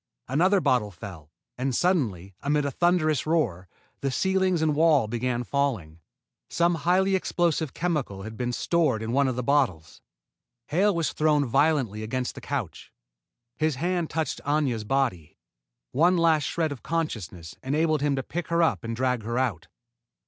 Another bottle fell, and, suddenly, amid a thunderous roar, the ceiling and walls began falling. Some highly explosive chemical had been stored in one of the bottles. Hale was thrown violently against the couch. His hand touched Aña's body. One last shred of consciousness enabled him to pick her up and drag her out.